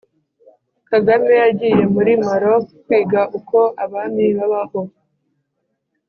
Kagame yagiye muli Maroc kwiga uko abami babaho.